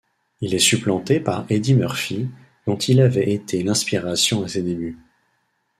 Il est supplanté par Eddie Murphy, dont il avait été l'inspiration à ses débuts.